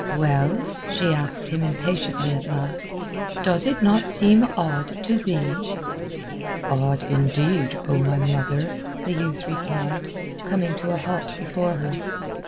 "Well?" she asked him impatiently at last. "Does it not seem odd to thee?" "Odd, indeed, O my mother," the youth replied, coming to a halt before her.